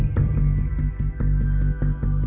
เวลาที่สุดท้าย